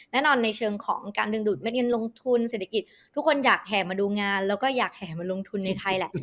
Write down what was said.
แน่นอนในเชิงของการดึงดูดเด็ดเงินลงทุนเศรษฐกิจทุกคนอยากแห่มาดูงานแล้วก็อยากแห่มาลงทุนในไทยแหละ